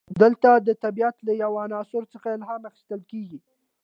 دلته د طبیعت له یو عنصر څخه الهام اخیستل کیږي.